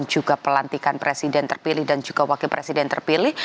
dan juga pelantikan presiden terpilih dan juga wakil presiden terpilih